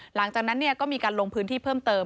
หลังจากนั้นก็มีการลงพื้นที่เพิ่มเติม